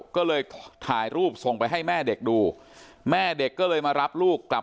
ก็เลยถ่ายรูปส่งไปให้แม่เด็กดูแม่เด็กก็เลยมารับลูกกลับ